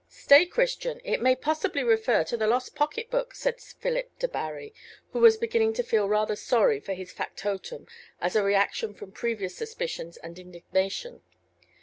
"Stay, Christian, it may possibly refer to the lost pocket book," said Philip Debarry, who was beginning to feel rather sorry for his factotum, as a reaction from previous suspicions and indignation.